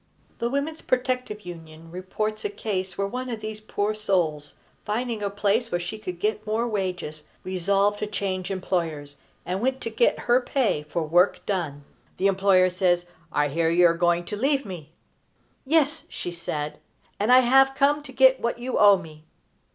The Women's Protective Union reports a case where one of these poor souls, finding a place where she could get more wages, resolved to change employers, and went to get her pay for work done. The employer says: "I hear you are going to leave me?" "Yes," she said, "and I have come to get what you owe me."